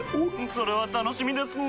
それは楽しみですなぁ。